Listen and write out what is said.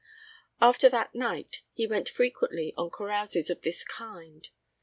After that night he went frequently on carouses of this kind.